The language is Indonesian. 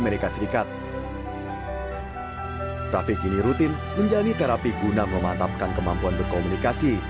raffi kemudian menjalani terapi guna memantapkan kemampuan berkomunikasi